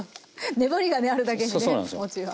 粘りがねあるだけにね餅は。